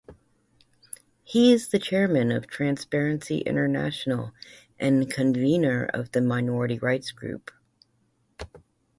He is the chairman of Transparency International and Convenor of the Minority Rights Group.